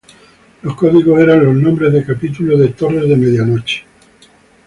Los códigos eran los nombres de capítulos de "Torres de medianoche".